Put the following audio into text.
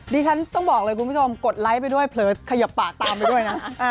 ดิฉันต้องบอกเลยคุณผู้ชมกดไลค์ไปด้วยเผลอขยับปากตามไปด้วยนะ